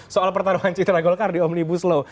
soal pertarungan citra golkar di omnibus law